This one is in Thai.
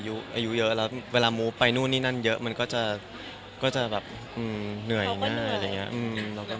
และเวลามูฟไปนู่นนี่นั่นเยอะมันก็จะเหนื่อง่ายอย่างงี้